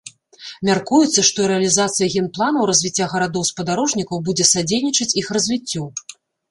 Мяркуецца, што рэалізацыя генпланаў развіцця гарадоў-спадарожнікаў будзе садзейнічаць іх развіццю.